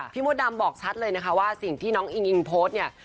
มดดำบอกชัดเลยนะคะว่าสิ่งที่น้องอิงอิงโพสต์เนี่ย